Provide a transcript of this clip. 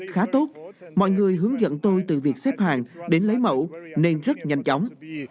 khá tốt mọi người hướng dẫn tôi từ việc xếp hàng đến lấy mẫu nên rất nhanh chóng